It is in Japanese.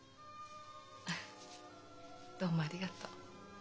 どうもありがとう。